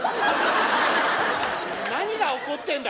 何が起こってんだ？